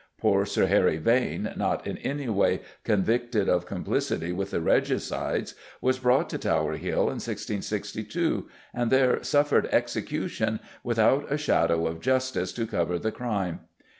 Poor Sir Harry Vane, not in any way convicted of complicity with the regicides, was brought to Tower Hill in 1662, and there suffered execution without a shadow of justice to cover the crime.